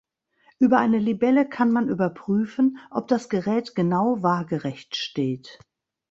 Über eine Libelle kann man überprüfen, ob das Gerät genau waagerecht steht.